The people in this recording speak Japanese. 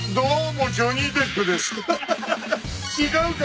違うか。